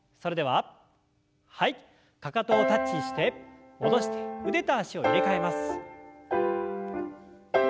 かかとをタッチして戻して腕と脚を入れ替えます。